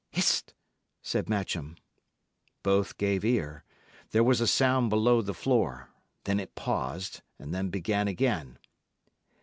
"Hist!" said Matcham. Both gave ear. There was a sound below the floor; then it paused, and then began again.